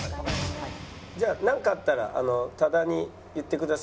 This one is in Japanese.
「じゃあなんかあったら多田に言ってください」。